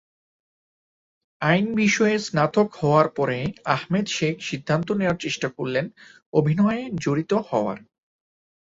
আইন বিষয়ে স্নাতক হওয়ার পরে আহমেদ-শেখ সিদ্ধান্ত নেওয়ার চেষ্টা করলেন অভিনয়ে জড়িত হওয়ার।